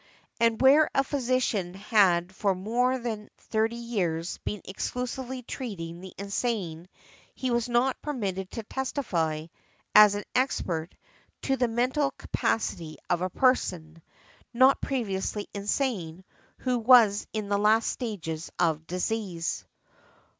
And where a physician had for more than thirty years been exclusively treating the insane, he was not permitted to testify, as an expert, to the mental capacity of a person—not previously insane—who was in the last stages of disease .